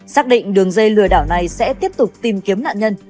xác định đường dây lừa đảo này sẽ tiếp tục tìm kiếm nạn nhân